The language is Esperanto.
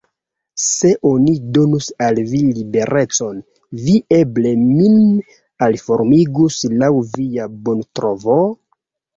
Se oni donus al vi liberecon, vi eble min aliformigus laŭ via bontrovo?